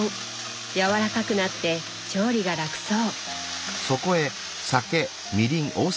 柔らかくなって調理が楽そう。